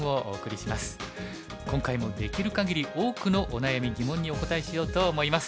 今回もできるかぎり多くのお悩み疑問にお答えしようと思います。